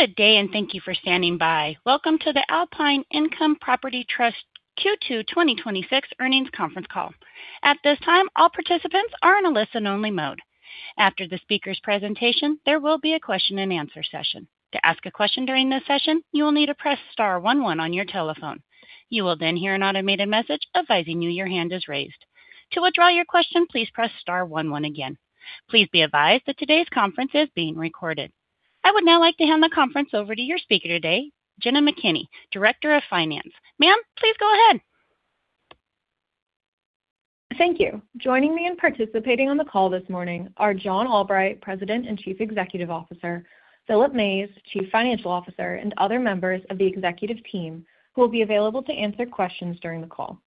Good day, and thank you for standing by. Welcome to the Alpine Income Property Trust Q2 2026 earnings conference call. At this time, all participants are in a listen-only mode. After the speaker's presentation, there will be a question and answer session. To ask a question during this session, you will need to press star one one on your telephone. You will hear an automated message advising you your hand is raised. To withdraw your question, please press star one one again. Please be advised that today's conference is being recorded. I would now like to hand the conference over to your speaker today, Jenna McKinney, Director of Finance. Ma'am, please go ahead. Thank you. Joining me in participating on the call this morning are John Albright, President and Chief Executive Officer, Philip Mays, Chief Financial Officer, and other members of the executive team, who will be available to answer questions during the call.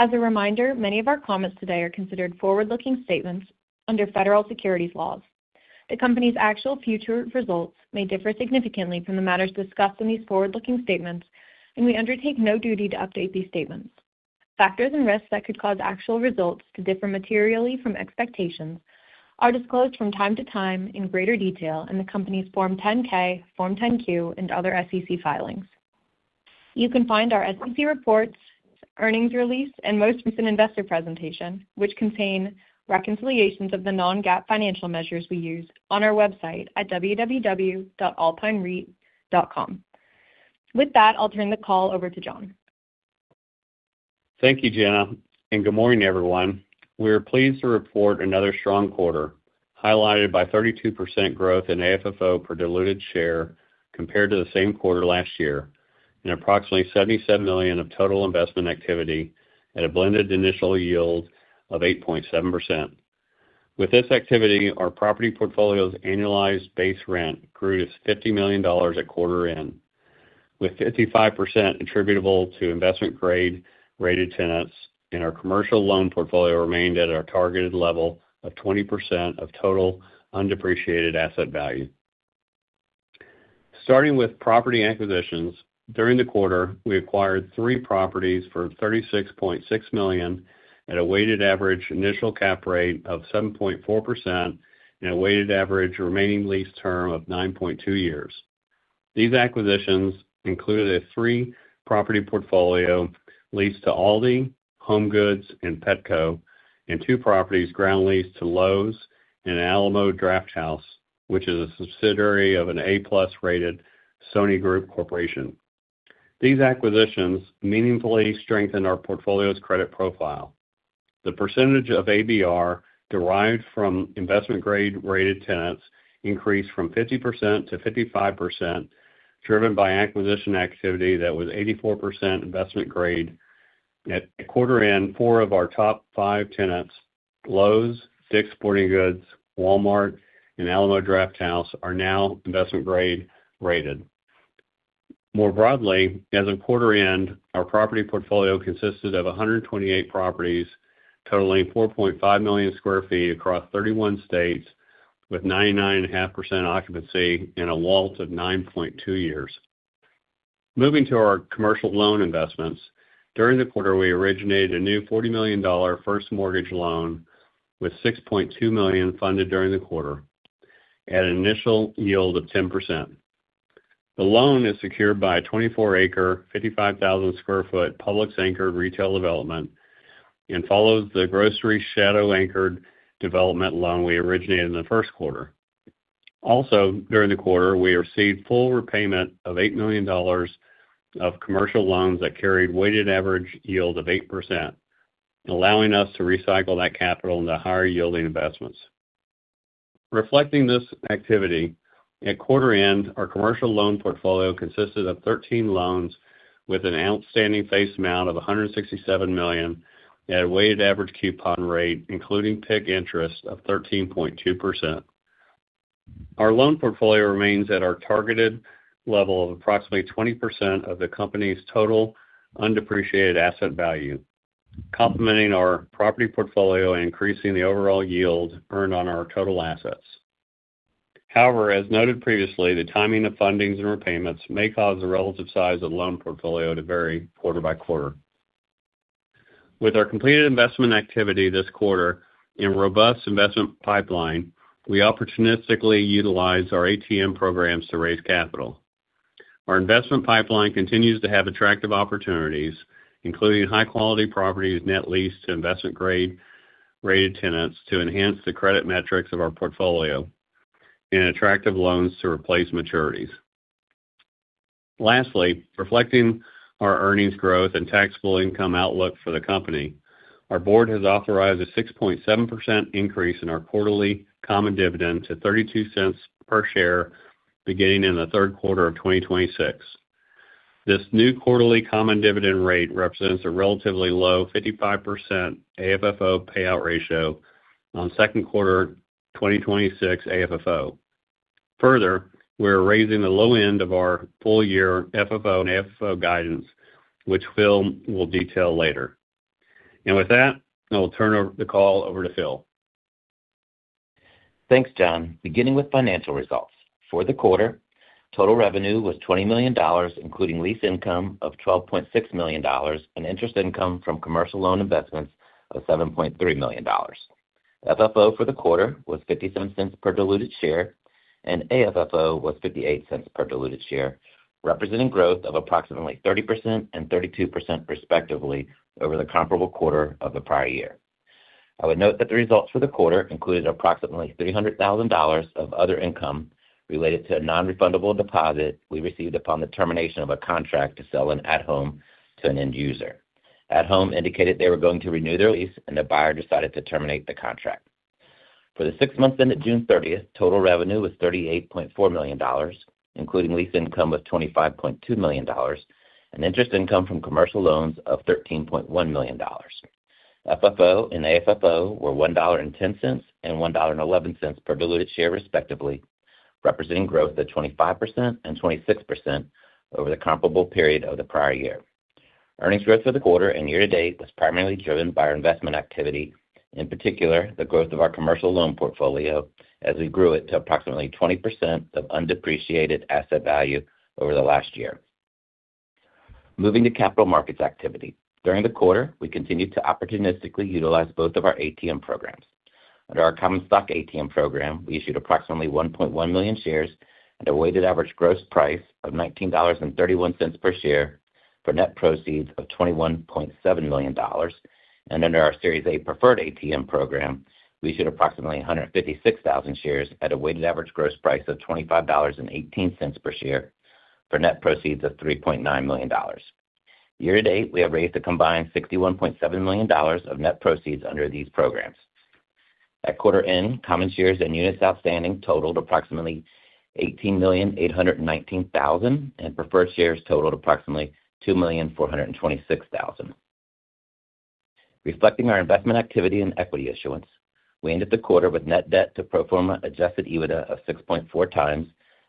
As a reminder, many of our comments today are considered forward-looking statements under federal securities laws. The company's actual future results may differ significantly from the matters discussed in these forward-looking statements, we undertake no duty to update these statements. Factors and risks that could cause actual results to differ materially from expectations are disclosed from time to time in greater detail in the company's Form 10-K, Form 10-Q, and other SEC filings. You can find our SEC reports, earnings release, and most recent investor presentation, which contain reconciliations of the non-GAAP financial measures we use on our website at www.alpinereit.com. With that, I'll turn the call over to John. Thank you, Jenna, good morning, everyone. We are pleased to report another strong quarter, highlighted by 32% growth in AFFO per diluted share compared to the same quarter last year, approximately $77 million of total investment activity at a blended initial yield of 8.7%. With this activity, our property portfolio's annualized base rent grew to $50 million at quarter end, with 55% attributable to investment-grade rated tenants, our commercial loan portfolio remained at our targeted level of 20% of total undepreciated asset value. Starting with property acquisitions, during the quarter, we acquired three properties for $36.6 million at a weighted average initial cap rate of 7.4% a weighted average remaining lease term of 9.2 years. These acquisitions included a three-property portfolio leased to Aldi, HomeGoods, and Petco, and two properties ground leased to Lowe's and Alamo Drafthouse, which is a subsidiary of an A+ rated Sony Group Corporation. These acquisitions meaningfully strengthened our portfolio's credit profile. The percentage of ABR derived from investment-grade rated tenants increased from 50% to 55%, driven by acquisition activity that was 84% investment grade. At quarter end, four of our top five tenants, Lowe's, Dick's Sporting Goods, Walmart, and Alamo Drafthouse, are now investment grade rated. More broadly, as of quarter end, our property portfolio consisted of 128 properties totaling 4.5 million square feet across 31 states, with 99.5% occupancy and a WALT of 9.2 years. Moving to our commercial loan investments. During the quarter, we originated a new $40 million first mortgage loan with $6.2 million funded during the quarter at an initial yield of 10%. The loan is secured by a 24 acre, 55,000 sq ft anchored retail development and follows the grocery shadow anchored development loan we originated in the first quarter. Also, during the quarter, we received full repayment of $8 million of commercial loans that carried weighted average yield of 8%, allowing us to recycle that capital into higher yielding investments. Reflecting this activity, at quarter end, our commercial loan portfolio consisted of 13 loans with an outstanding face amount of $167 million at a weighted average coupon rate, including PIK interest of 13.2%. Our loan portfolio remains at our targeted level of approximately 20% of the company's total undepreciated asset value, complementing our property portfolio and increasing the overall yield earned on our total assets. However, as noted previously, the timing of fundings and repayments may cause the relative size of the loan portfolio to vary quarter by quarter. With our completed investment activity this quarter and robust investment pipeline, we opportunistically utilize our ATM programs to raise capital. Our investment pipeline continues to have attractive opportunities, including high quality properties net leased to investment grade rated tenants to enhance the credit metrics of our portfolio and attractive loans to replace maturities. Lastly, reflecting our earnings growth and taxable income outlook for the company, our board has authorized a 6.7% increase in our quarterly common dividend to $0.32 per share beginning in the third quarter of 2026. This new quarterly common dividend rate represents a relatively low 55% AFFO payout ratio on second quarter 2026 AFFO. Further, we're raising the low end of our full year FFO and AFFO guidance, which Phil will detail later. With that, I will turn over the call over to Phil. Thanks, John. Beginning with financial results. For the quarter, total revenue was $20 million, including lease income of $12.6 million, and interest income from commercial loan investments of $7.3 million. FFO for the quarter was $0.57 per diluted share, and AFFO was $0.58 per diluted share, representing growth of approximately 30% and 32% respectively over the comparable quarter of the prior year. I would note that the results for the quarter included approximately $300,000 of other income related to a non-refundable deposit we received upon the termination of a contract to sell an At Home to an end user. At Home indicated they were going to renew their lease, and the buyer decided to terminate the contract. For the six months ended June 30th, total revenue was $38.4 million, including lease income of $25.2 million, and interest income from commercial loans of $13.1 million. FFO and AFFO were $1.10 and $1.11 per diluted share, respectively, representing growth of 25% and 26% over the comparable period of the prior year. Earnings growth for the quarter and year to date was primarily driven by our investment activity, in particular, the growth of our commercial loan portfolio as we grew it to approximately 20% of undepreciated asset value over the last year. Moving to capital markets activity. During the quarter, we continued to opportunistically utilize both of our ATM programs. Under our common stock ATM program, we issued approximately 1.1 million shares at a weighted average gross price of $19.31 per share for net proceeds of $21.7 million. Under our Series A preferred ATM program, we issued approximately 156,000 shares at a weighted average gross price of $25.18 per share for net proceeds of $3.9 million. Year-to-date, we have raised a combined $61.7 million of net proceeds under these programs. At quarter end, common shares and units outstanding totaled approximately 18,819,000, and preferred shares totaled approximately 2,426,000. Reflecting our investment activity and equity issuance, we ended the quarter with net debt to pro forma adjusted EBITDA of 6.4x,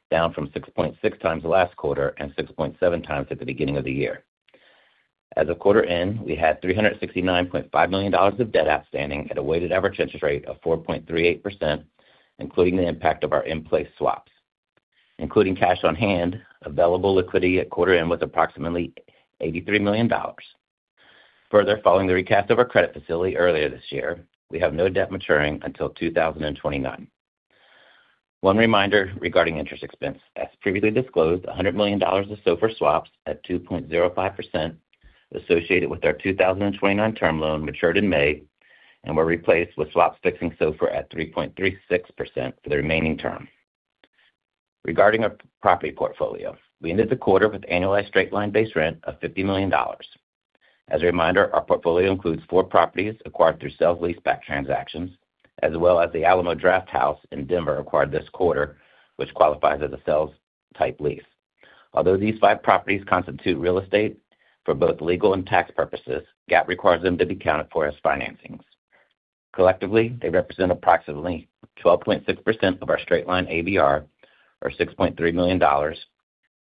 down from 6.6x last quarter and 6.7x at the beginning of the year. As of quarter end, we had $369.5 million of debt outstanding at a weighted average interest rate of 4.38%, including the impact of our in-place swaps. Including cash on hand, available liquidity at quarter end was approximately $83 million. Further, following the recast of our credit facility earlier this year, we have no debt maturing until 2029. One reminder regarding interest expense. As previously disclosed, $100 million of SOFR swaps at 2.05% associated with our 2029 term loan matured in May and were replaced with swaps fixing SOFR at 3.36% for the remaining term. Regarding our property portfolio, we ended the quarter with annualized straight-line base rent of $50 million. As a reminder, our portfolio includes four properties acquired through sale leaseback transactions, as well as the Alamo Drafthouse in Denver, acquired this quarter, which qualifies as a sales-type lease. Although these five properties constitute real estate for both legal and tax purposes, GAAP requires them to be accounted for as financings. Collectively, they represent approximately 12.6% of our straight-line ABR, or $6.3 million,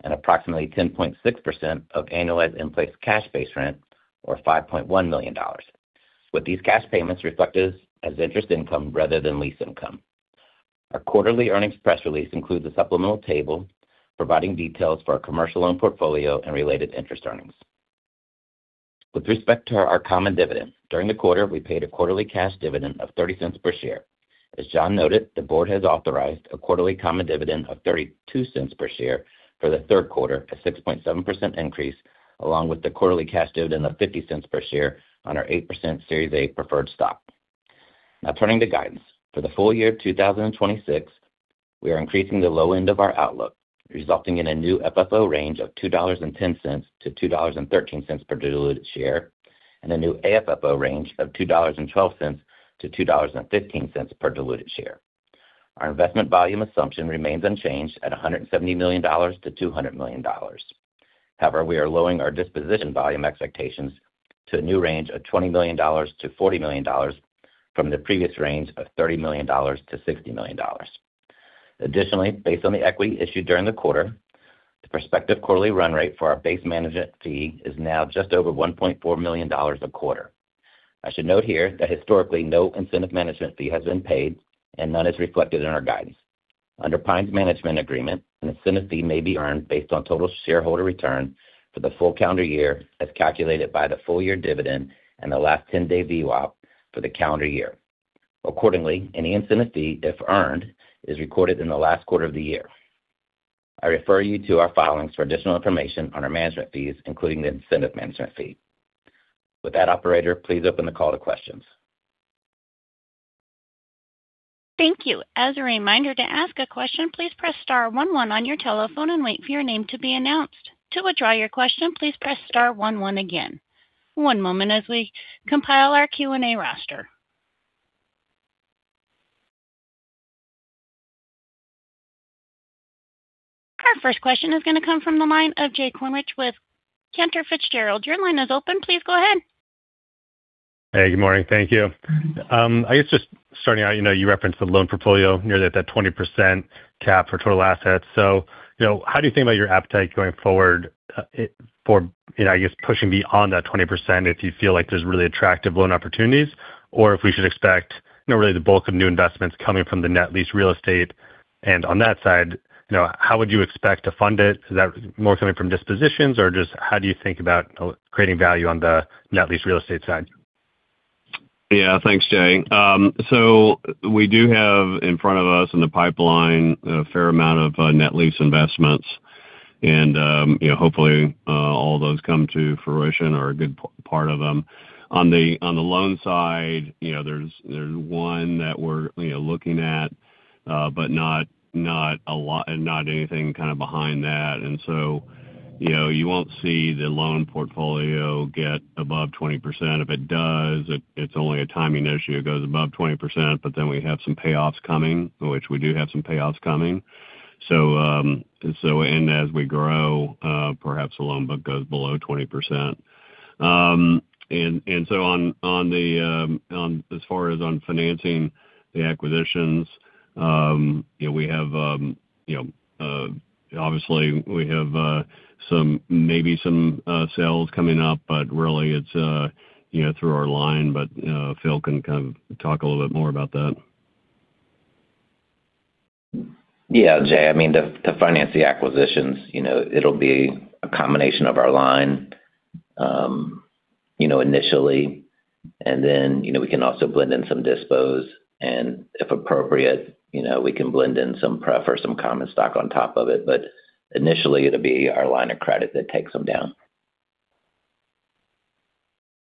and approximately 10.6% of annualized in-place cash base rent, or $5.1 million, with these cash payments reflected as interest income rather than lease income. Our quarterly earnings press release includes a supplemental table providing details for our commercial loan portfolio and related interest earnings. With respect to our common dividend, during the quarter, we paid a quarterly cash dividend of $0.30 per share. As John noted, the board has authorized a quarterly common dividend of $0.32 per share for the third quarter, a 6.7% increase, along with the quarterly cash dividend of $0.50 per share on our 8% Series A preferred stock. Now turning to guidance. For the full year of 2026, we are increasing the low end of our outlook, resulting in a new FFO range of $2.10-$2.13 per diluted share, and a new AFFO range of $2.12-$2.15 per diluted share. Our investment volume assumption remains unchanged at $170 million-$200 million. However, we are lowering our disposition volume expectations to a new range of $20 million-$40 million from the previous range of $30 million-$60 million. Additionally, based on the equity issued during the quarter, the prospective quarterly run rate for our base management fee is now just over $1.4 million a quarter. I should note here that historically, no incentive management fee has been paid and none is reflected in our guidance. Under Alpine's management agreement, an incentive fee may be earned based on total shareholder return for the full calendar year as calculated by the full year dividend and the last 10-day VWAP for the calendar year. Accordingly, any incentive fee, if earned, is recorded in the last quarter of the year. I refer you to our filings for additional information on our management fees, including the incentive management fee. Operator, please open the call to questions. Thank you. As a reminder, to ask a question, please press star 11 on your telephone and wait for your name to be announced. To withdraw your question, please press star 11 again. One moment as we compile our Q&A roster. Our first question is going to come from the line of Jay Kornreich with Cantor Fitzgerald. Your line is open. Please go ahead. Hey, good morning. Thank you. I guess just starting out, you referenced the loan portfolio near that 20% cap for total assets. How do you think about your appetite going forward for, I guess, pushing beyond that 20% if you feel like there's really attractive loan opportunities, or if we should expect really the bulk of new investments coming from the net lease real estate? On that side, how would you expect to fund it? Is that more coming from dispositions or just how do you think about creating value on the net lease real estate side? Yeah. Thanks, Jay. We do have in front of us in the pipeline, a fair amount of net lease investments and hopefully, all those come to fruition or a good part of them. On the loan side, there's one that we're looking at, but not anything kind of behind that. You won't see the loan portfolio get above 20%. If it does, it's only a timing issue. It goes above 20%, we have some payoffs coming, which we do have some payoffs coming. As we grow, perhaps the loan book goes below 20%. As far as on financing the acquisitions, obviously we have maybe some sales coming up, really it's through our line. Phil can kind of talk a little bit more about that. Jay, to finance the acquisitions, it'll be a combination of our line, initially, and then we can also blend in some dispos, and if appropriate, we can blend in some pref or some common stock on top of it. Initially, it'll be our line of credit that takes them down.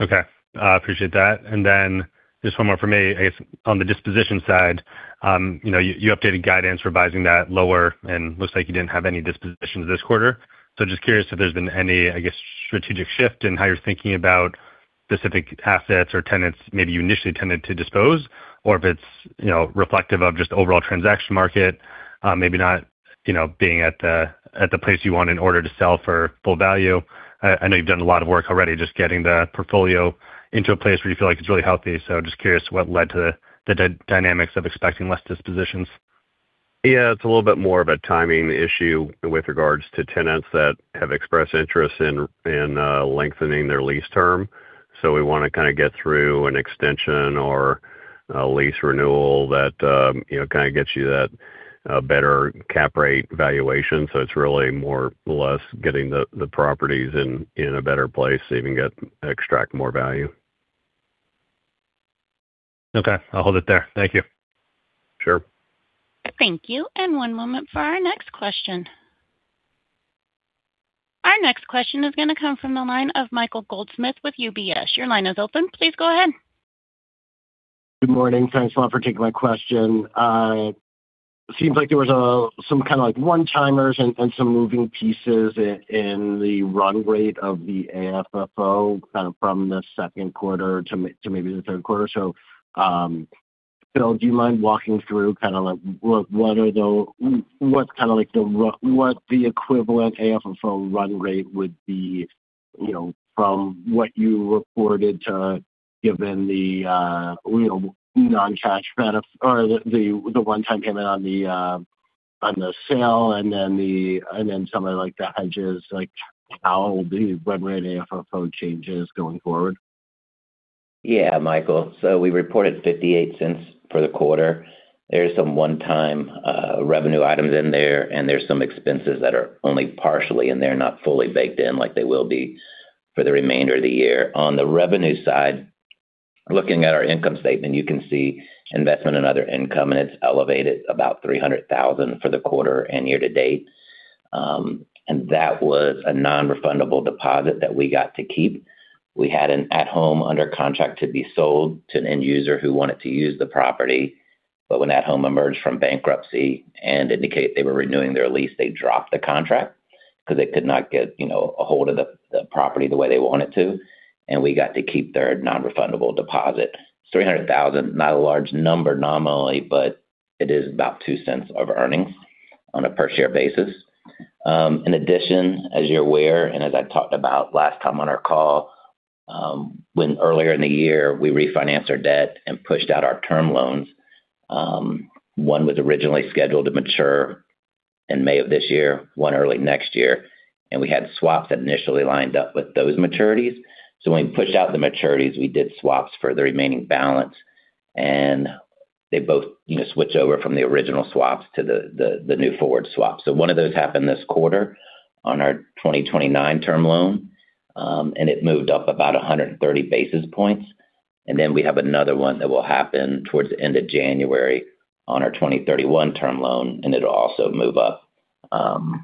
Okay. I appreciate that. Just one more from me. I guess on the disposition side, you updated guidance revising that lower and looks like you didn't have any dispositions this quarter. Just curious if there's been any, I guess, strategic shift in how you're thinking about specific assets or tenants maybe you initially tended to dispose or if it's reflective of just overall transaction market, maybe not being at the place you want in order to sell for full value. I know you've done a lot of work already just getting the portfolio into a place where you feel like it's really healthy. Just curious what led to the dynamics of expecting less dispositions. It's a little bit more of a timing issue with regards to tenants that have expressed interest in lengthening their lease term. We want to kind of get through an extension or a lease renewal that kind of gets you that better cap rate valuation. It's really more or less getting the properties in a better place so you can extract more value. Okay. I'll hold it there. Thank you. Sure. Thank you. One moment for our next question. Our next question is going to come from the line of Michael Goldsmith with UBS. Your line is open. Please go ahead. Good morning. Thanks a lot for taking my question. Seems like there was some kind of one-timers and some moving pieces in the run rate of the AFFO kind of from the second quarter to maybe the third quarter. Phil, do you mind walking through kind of what the equivalent AFFO run rate would be from what you reported to given the non-cash or the one-time payment on the sale, and then some of the hedges, like how the run rate AFFO changes going forward? Michael, we reported $0.58 for the quarter. There's some one-time revenue items in there, and there's some expenses that are only partially in there, not fully baked in like they will be for the remainder of the year. On the revenue side, looking at our income statement, you can see investment and other income, and it's elevated about $300,000 for the quarter and year to date. That was a non-refundable deposit that we got to keep. We had an At Home under contract to be sold to an end user who wanted to use the property. When At Home emerged from bankruptcy and indicated they were renewing their lease, they dropped the contract because they could not get a hold of the property the way they wanted to, and we got to keep their non-refundable deposit. It's $300,000, not a large number nominally, but it is about $0.02 of earnings on a per share basis. In addition, as you're aware and as I talked about last time on our call, when earlier in the year we refinanced our debt and pushed out our term loans, one was originally scheduled to mature in May of this year, one early next year, and we had swaps that initially lined up with those maturities. When we pushed out the maturities, we did swaps for the remaining balance, and they both switched over from the original swaps to the new forward swaps. One of those happened this quarter on our 2029 term loan, and it moved up about 130 basis points. We have another one that will happen towards the end of January on our 2031 term loan, and it will also move up about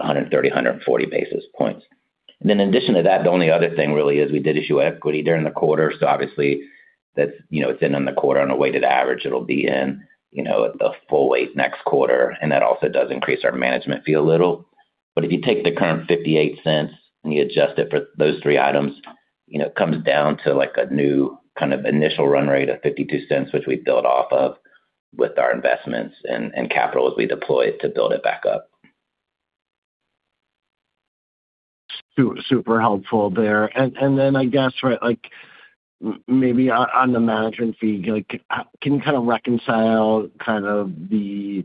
130, 140 basis points. In addition to that, the only other thing really is we did issue equity during the quarter. Obviously, it is in on the quarter on a weighted average. It will be in a full weight next quarter. That also does increase our management fee a little. If you take the current $0.58 and you adjust it for those three items, it comes down to like a new kind of initial run rate of $0.52, which we build off of with our investments and capital as we deploy it to build it back up. Super helpful there. I guess maybe on the management fee, can you kind of reconcile kind of the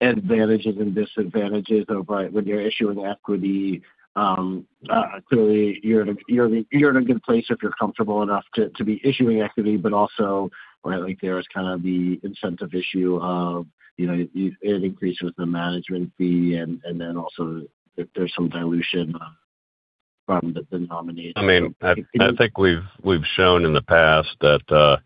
advantages and disadvantages of when you are issuing equity? Clearly you are in a good place if you are comfortable enough to be issuing equity. Also there is kind of the incentive issue of it increases the management fee, and then also if there is some dilution from the denominator. I think we have shown in the past that the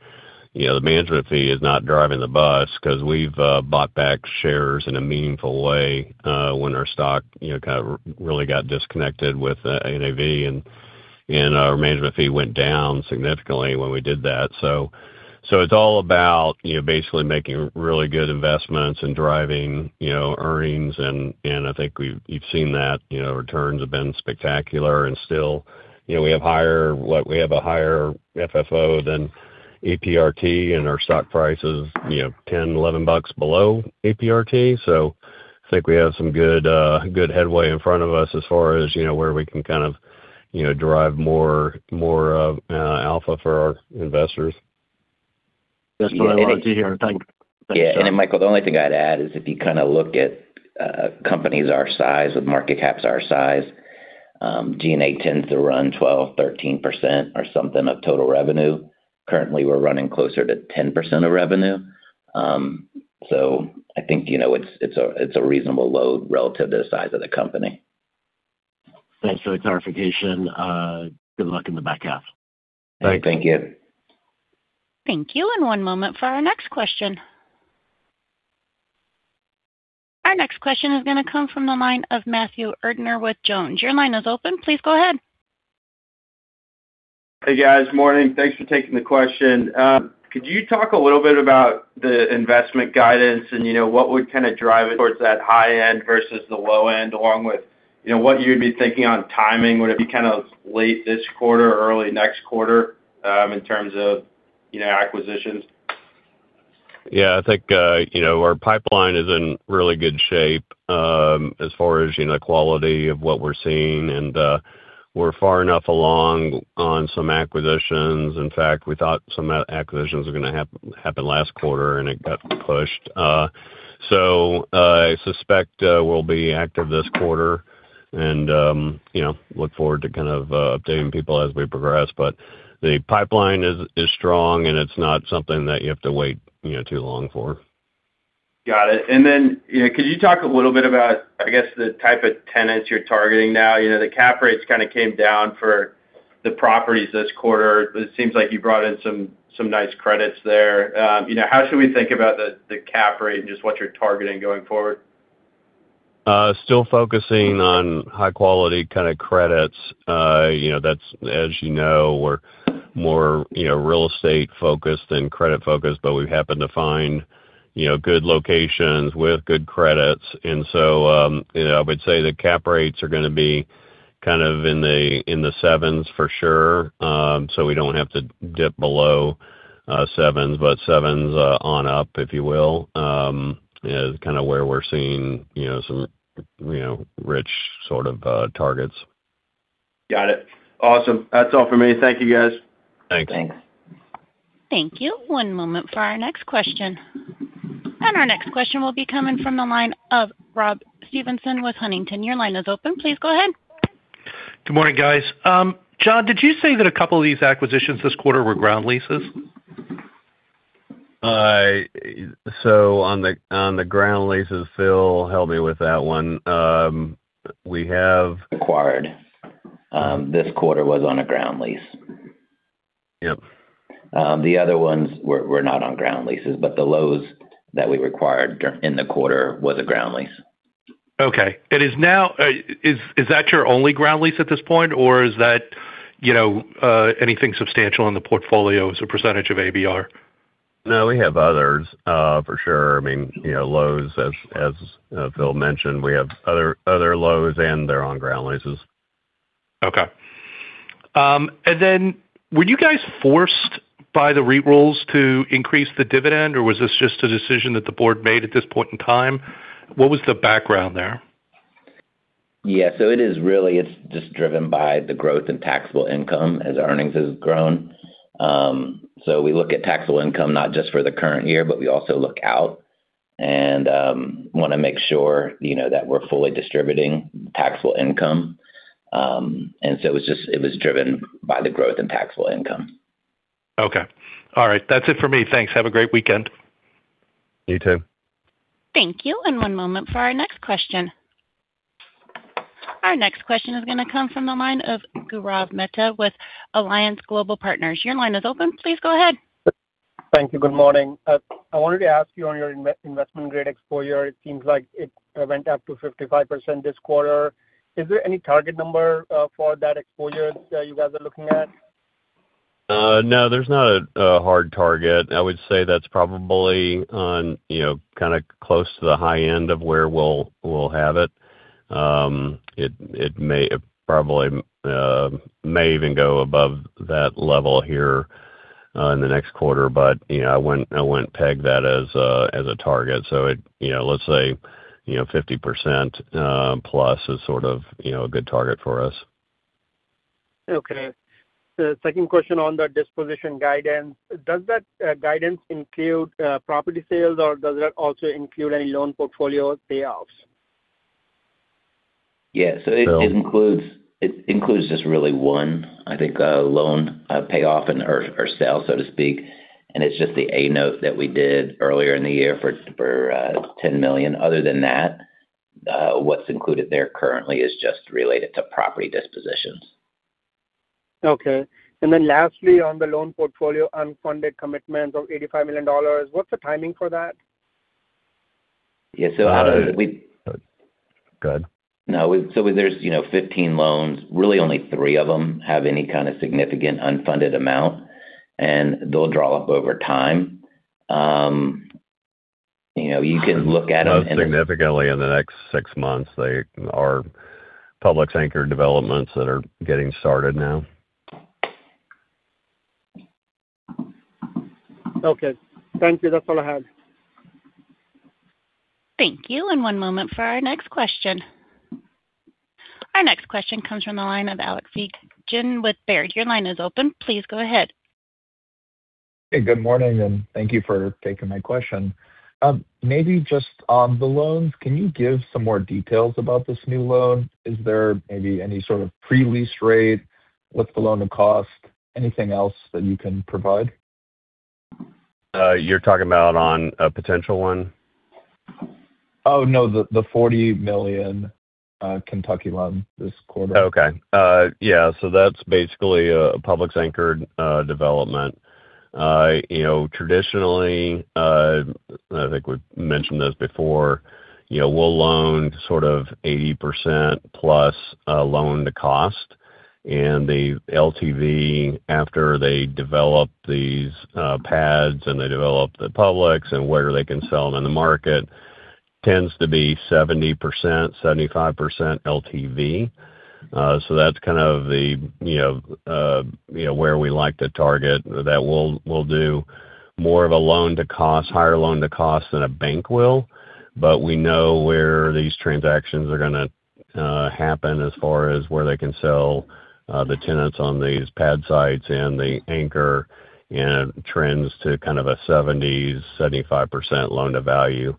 management fee is not driving the bus because we have bought back shares in a meaningful way when our stock kind of really got disconnected with NAV, and our management fee went down significantly when we did that. It is all about basically making really good investments and driving earnings and I think you have seen that. Returns have been spectacular and still we have a higher FFO than EPRT and our stock price is $10, $11 bucks below EPRT. I think we have some good headway in front of us as far as where we can kind of drive more alpha for our investors. That is what I wanted to hear. Thank you, sir. Yeah. Then Michael, the only thing I'd add is if you look at companies our size, with market caps our size, G&A tends to run 12%, 13% or something of total revenue. Currently, we're running closer to 10% of revenue. I think it's a reasonable load relative to the size of the company. Thanks for the clarification. Good luck in the back half. All right. Thank you. Thank you. One moment for our next question. Our next question is going to come from the line of Matthew Erdner with Jones. Your line is open. Please go ahead. Hey, guys. Morning. Thanks for taking the question. Could you talk a little bit about the investment guidance and what would kind of drive it towards that high end versus the low end, along with what you'd be thinking on timing? Would it be kind of late this quarter, early next quarter, in terms of acquisitions? Yeah, I think our pipeline is in really good shape as far as quality of what we're seeing, and we're far enough along on some acquisitions. In fact, we thought some acquisitions were going to happen last quarter and it got pushed. I suspect we'll be active this quarter and look forward to kind of updating people as we progress. The pipeline is strong, and it's not something that you have to wait too long for. Got it. Could you talk a little bit about, I guess, the type of tenants you're targeting now? The cap rates kind of came down for the properties this quarter. It seems like you brought in some nice credits there. How should we think about the cap rate and just what you're targeting going forward? Still focusing on high quality kind of credits. As you know, we're more real estate focused than credit focused, but we happen to find good locations with good credits. I would say the cap rates are going to be kind of in the sevens for sure. We don't have to dip below seven, but seven on up, if you will, is kind of where we're seeing some rich sort of targets. Got it. Awesome. That's all for me. Thank you, guys. Thanks. Thanks. Thank you. One moment for our next question. Our next question will be coming from the line of Rob Stevenson with Huntington. Your line is open. Please go ahead. Good morning, guys. John, did you say that a couple of these acquisitions this quarter were ground leases? On the ground leases, Phil, help me with that one. Acquired this quarter was on a ground lease. Yep. The other ones were not on ground leases, the Lowe's that we acquired in the quarter was a ground lease. Okay. Is that your only ground lease at this point, is that anything substantial in the portfolio as a percentage of ABR? No, we have others, for sure. I mean, Lowe's, as Phil mentioned, we have other Lowe's and they're on ground leases. Okay. Were you guys forced by the REIT rules to increase the dividend, or was this just a decision that the board made at this point in time? What was the background there? It is really, it's just driven by the growth in taxable income as earnings has grown. We look at taxable income not just for the current year, but we also look out and want to make sure that we're fully distributing taxable income. It was driven by the growth in taxable income. Okay. All right. That's it for me. Thanks. Have a great weekend. You too. Thank you. One moment for our next question. Our next question is going to come from the line of Gaurav Mehta with Alliance Global Partners. Your line is open. Please go ahead. Thank you. Good morning. I wanted to ask you on your investment grade exposure, it seems like it went up to 55% this quarter. Is there any target number for that exposure that you guys are looking at? No, there's not a hard target. I would say that's probably kind of close to the high end of where we'll have it. It may even go above that level here in the next quarter, but I wouldn't peg that as a target. Let's say 50+% is sort of a good target for us. Okay. Second question on the disposition guidance. Does that guidance include property sales or does that also include any loan portfolio payoffs? It includes just really one, I think, loan payoff or sale, so to speak. It's just the A note that we did earlier in the year for $10 million. Other than that, what's included there currently is just related to property dispositions. Okay. Lastly, on the loan portfolio unfunded commitment of $85 million, what's the timing for that? Yeah. Go ahead. No. There's 15 loans. Really, only three of them have any kind of significant unfunded amount, and they'll draw up over time. You can look at them. Most significantly, in the next six months, they are Publix anchor developments that are getting started now. Okay. Thank you. That's all I had. Thank you, one moment for our next question. Our next question comes from the line of Alex Jourdan with Baird. Your line is open. Please go ahead. Good morning, thank you for taking my question. On the loans, can you give some more details about this new loan? Is there any sort of pre-lease rate? What's the loan to cost? Anything else that you can provide? You're talking about on a potential one? No, the $40 million Kentucky loan this quarter. That's basically a Publix anchored development. Traditionally, I think we've mentioned this before, we'll loan sort of 80% plus loan to cost. The LTV after they develop these pads and they develop the Publix and where they can sell them in the market tends to be 70%-75% LTV. That's kind of where we like to target that we'll do more of a higher loan to cost than a bank will, but we know where these transactions are going to happen as far as where they can sell the tenants on these pad sites and the anchor and trends to kind of a 70%-75% loan to value.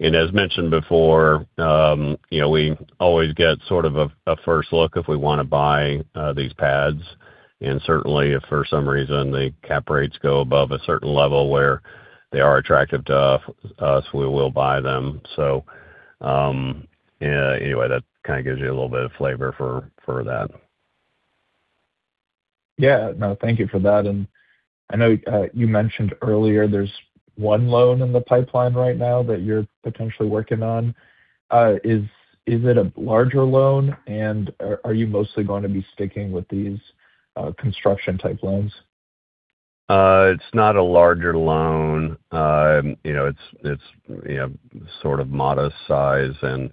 As mentioned before, we always get sort of a first look if we want to buy these pads. Certainly, if for some reason the cap rates go above a certain level where they are attractive to us, we will buy them. Anyway, that kind of gives you a little bit of flavor for that. Yeah. No, thank you for that. I know you mentioned earlier there's one loan in the pipeline right now that you're potentially working on. Is it a larger loan, and are you mostly going to be sticking with these construction type loans? It's not a larger loan. It's sort of modest size, and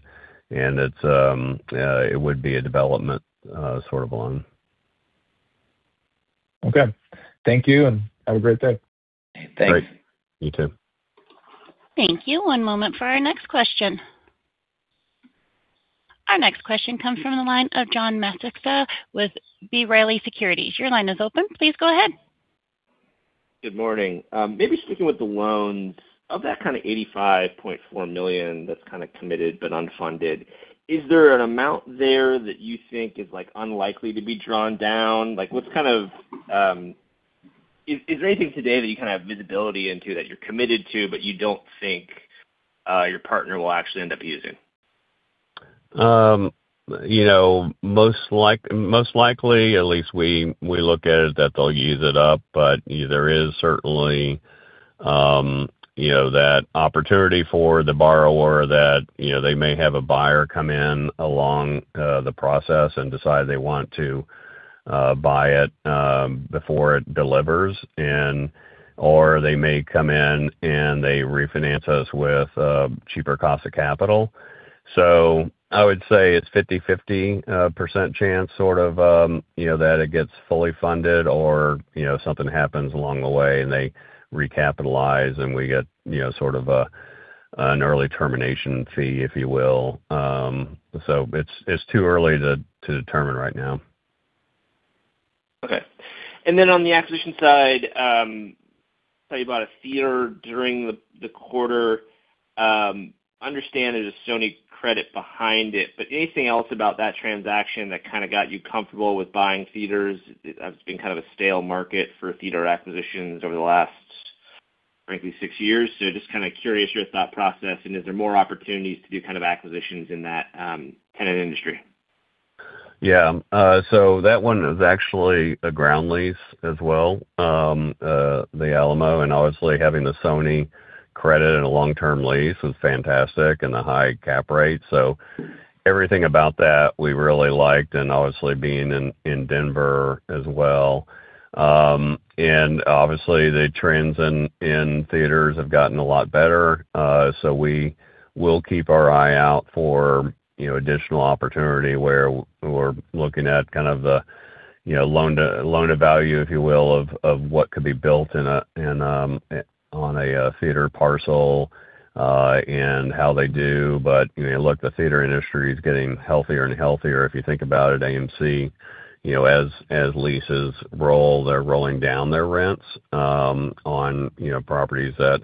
it would be a development sort of loan. Okay. Thank you, and have a great day. Thanks. Great. You too. Thank you. One moment for our next question. Our next question comes from the line of John Massocca with B. Riley Securities. Your line is open. Please go ahead. Good morning. Maybe sticking with the loans, of that kind of $85.4 million that's kind of committed but unfunded, is there an amount there that you think is unlikely to be drawn down? Is there anything today that you kind of have visibility into that you're committed to, but you don't think your partner will actually end up using? Most likely, at least we look at it that they'll use it up. There is certainly that opportunity for the borrower that they may have a buyer come in along the process and decide they want to buy it before it delivers. They may come in and they refinance us with a cheaper cost of capital. I would say it's 50/50 percent chance sort of that it gets fully funded or something happens along the way and they recapitalize and we get sort of an early termination fee, if you will. It's too early to determine right now. Okay. Then on the acquisition side, tell you about a theater during the quarter. Understand there's a Sony credit behind it, but anything else about that transaction that kind of got you comfortable with buying theaters? That's been kind of a stale market for theater acquisitions over the last, frankly, six years. Just kind of curious your thought process, and is there more opportunities to do kind of acquisitions in that kind of industry? Yeah. That one is actually a ground lease as well. The Alamo, and obviously having the Sony credit and a long-term lease was fantastic and a high cap rate. Everything about that we really liked, and obviously being in Denver as well. The trends in theaters have gotten a lot better. We will keep our eye out for additional opportunity where we're looking at kind of the loan to value, if you will, of what could be built on a theater parcel, and how they do. Look, the theater industry is getting healthier and healthier. If you think about it, AMC, as leases roll, they're rolling down their rents on properties that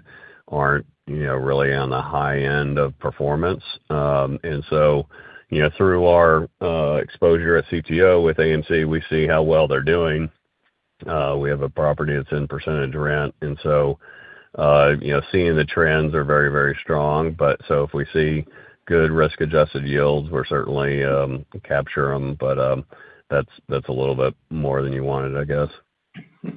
aren't really on the high end of performance. Through our exposure at CTO with AMC, we see how well they're doing. We have a property that's in percentage rent, and so seeing the trends are very strong. If we see good risk-adjusted yields, we'll certainly capture them. That's a little bit more than you wanted, I guess.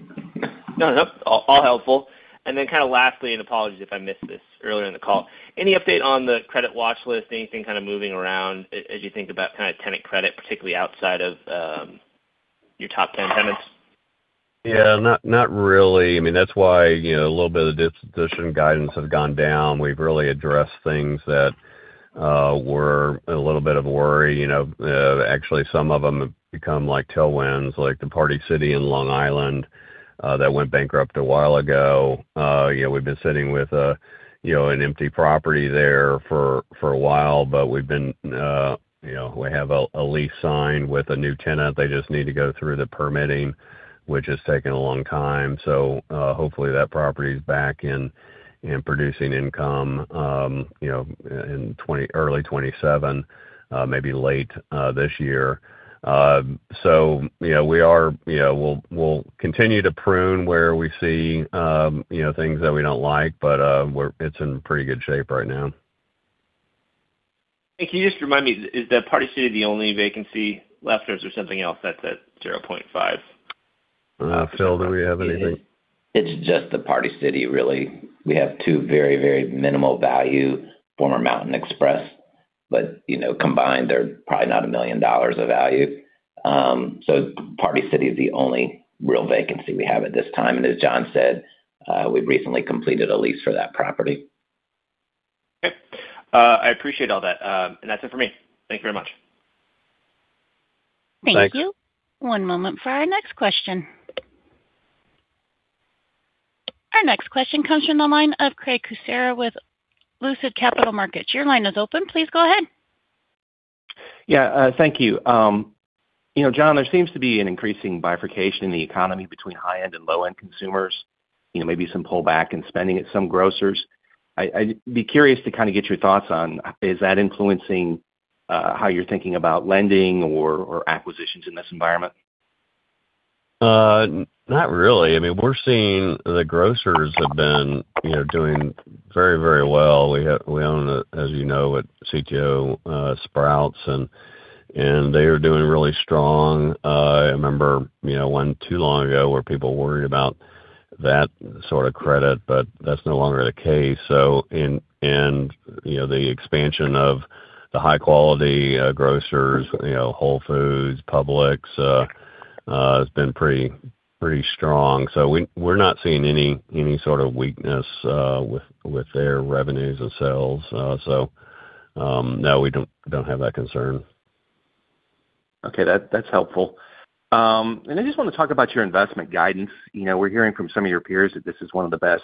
No, all helpful. Lastly, and apologies if I missed this earlier in the call, any update on the credit watch list? Anything kind of moving around as you think about tenant credit, particularly outside of your top 10 tenants? Yeah. Not really. That's why a little bit of disposition guidance has gone down. We've really addressed things that were a little bit of a worry. Actually, some of them have become like tailwinds, like the Party City in Long Island, that went bankrupt a while ago. We've been sitting with an empty property there for a while, but we have a lease signed with a new tenant. They just need to go through the permitting, which is taking a long time. Hopefully that property's back and producing income in early 2027, maybe late this year. We'll continue to prune where we see things that we don't like. It's in pretty good shape right now. Can you just remind me, is that Party City the only vacancy left, or is there something else that's at 0.5? Phil, do we have anything? It's just the Party City, really. We have two very minimal value, former Mountain Express, but combined they're probably not $1 million of value. Party City is the only real vacancy we have at this time. As John said, we've recently completed a lease for that property. Okay. I appreciate all that. That's it for me. Thank you very much. Thanks. Thank you. One moment for our next question. Our next question comes from the line of Craig Kucera with Lucid Capital Markets. Your line is open. Please go ahead. Yeah. Thank you. John, there seems to be an increasing bifurcation in the economy between high-end and low-end consumers. Maybe some pullback in spending at some grocers. I'd be curious to kind of get your thoughts on, is that influencing how you're thinking about lending or acquisitions in this environment? Not really. We're seeing the grocers have been doing very well. We own, as you know, at CTO, Sprouts, and they are doing really strong. I remember one too long ago where people worried about that sort of credit, but that's no longer the case. The expansion of the high-quality grocers, Whole Foods, Publix, has been pretty strong. We're not seeing any sort of weakness with their revenues and sales. No, we don't have that concern. Okay. That's helpful. I just want to talk about your investment guidance. We're hearing from some of your peers that this is one of the best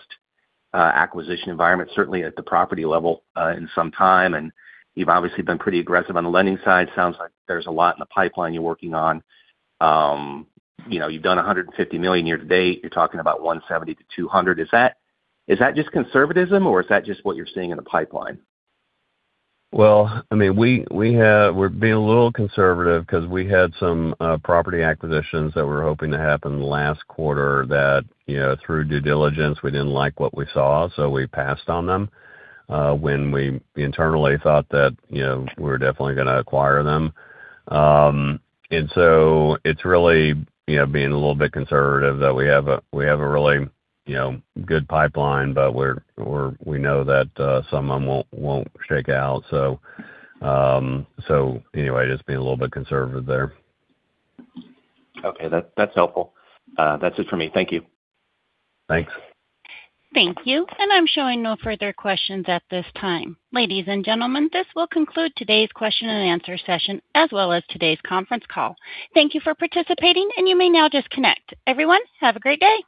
acquisition environments, certainly at the property level, in some time, and you've obviously been pretty aggressive on the lending side. Sounds like there's a lot in the pipeline you're working on. You've done $150 million year-to-date. You're talking about $170 million to $200 million. Is that just conservatism, or is that just what you're seeing in the pipeline? Well, we're being a little conservative because we had some property acquisitions that were hoping to happen last quarter that, through due diligence, we didn't like what we saw, so we passed on them, when we internally thought that we were definitely going to acquire them. It's really being a little bit conservative that we have a really good pipeline, but we know that some of them won't shake out. Anyway, just being a little bit conservative there. Okay. That's helpful. That's it for me. Thank you. Thanks. Thank you. I'm showing no further questions at this time. Ladies and gentlemen, this will conclude today's question and answer session, as well as today's conference call. Thank you for participating, and you may now disconnect. Everyone, have a great day.